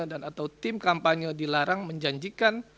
atau tim kampanye dilarang menjanjikan